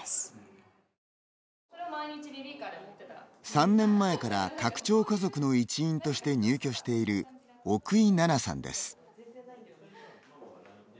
３年前から、拡張家族の一員として入居している奧井奈南さんです。